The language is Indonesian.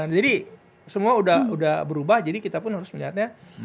semua sudah berubah jadi kita pun harus melihatnya